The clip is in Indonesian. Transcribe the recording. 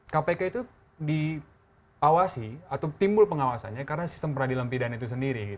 kpk itu diawasi atau timbul pengawasannya karena sistem peradilan pidana itu sendiri